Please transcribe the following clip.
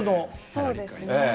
そうですね。